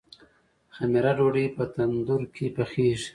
خمیره ډوډۍ په تندور کې پخیږي.